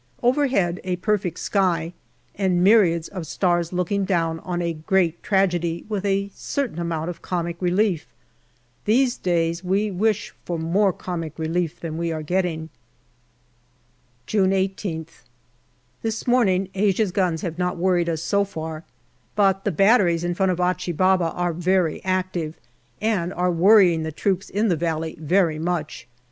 Overhead, a perfect sky and myriads of stars looking down on a great tragedy with a certain amount of comic relief. These days we wish for more comic relief than we are getting. June 18th. This morning Asia's guns have not worried us so far, but the batteries in front of Achi Baba are very active, and are worrying the troops in the valley very much.